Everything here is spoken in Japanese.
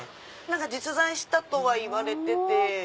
実在したとはいわれてて。